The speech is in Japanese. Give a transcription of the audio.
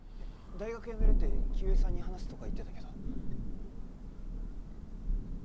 大学やめるって清江さんに話すとか言ってたけど。